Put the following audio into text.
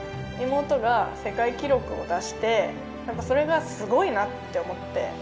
妹が世界記録を出して、それがすごいなって思って。